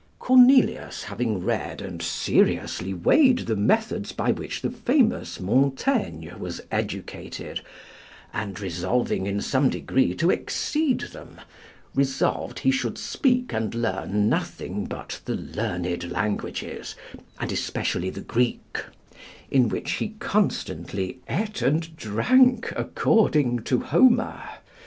Cornelius having read and seriously weighed the methods by which the famous Montaigne was educated, and resolving in some degree to exceed them, resolved he should speak and learn nothing but the learned languages, and especially the Greek; in which he constantly eat and drank, according to Homer.